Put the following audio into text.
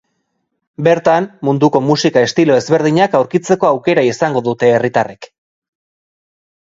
Bertan, munduko musika-estilo ezberdinak aurkitzeko aukera izango dute herritarrek.